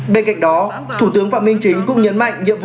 bên cạnh đó thủ tướng phạm minh chính cũng nhấn mạnh nhiệm vụ